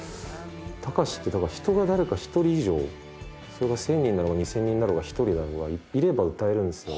崇ってだから人が誰か１人以上それが１０００人だろうが２０００人だろうが１人だろうがいれば歌えるんですよ。